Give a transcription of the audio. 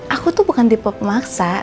aku tuh bukan tipe pemaksa